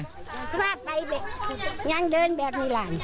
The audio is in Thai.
สภาพไปยังเดินแบบนี้แหละ